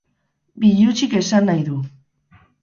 Bilutsik esan nahi du.